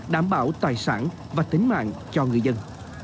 đảm bảo tài sản và tính mạng cho người dân